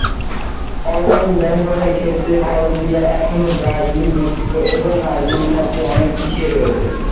Online ব্যবহারের ক্ষেত্রে Colombia এখনো ব্রাজিল, মেক্সিকো এবং আর্জেন্টিনার চেয়ে অনেক পিছিয়ে রয়েছে।